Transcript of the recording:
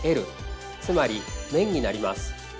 つまり面になります。